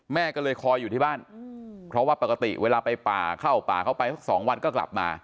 แม่ก็เลยคอยอยู่ที่บ้านเพราะว่าปกติเวลาไปป่าเข้าป่าเข้าไปสัก๒วันก็กลับมา